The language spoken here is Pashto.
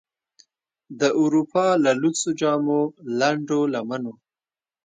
د اروپا له لوڅو جامو، لنډو لمنو،